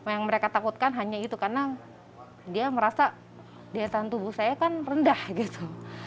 yang mereka takutkan hanya itu karena dia merasa daya tahan tubuh saya kan rendah gitu